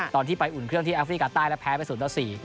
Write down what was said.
ตอนที่ไปอุ่นเครื่องที่แอฟริกาใต้แล้วแพ้ไปศูนย์ตัวสี่